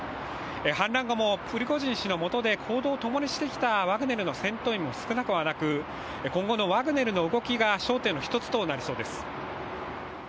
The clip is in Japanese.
反乱後もプリゴジン氏のもとで行動を共にしていたワグネルの戦闘員も少なくはなく、今後のワグネルの動きが焦点の１つとなりそうです。